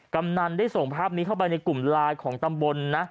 กำนันได้ส่งภาพนี้เข้าไปในกลุ่มไลน์ของตำบลนะ